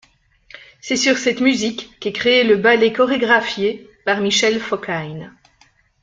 C'est sur cette musique qu'est créé le ballet chorégraphié par Michel Fokine.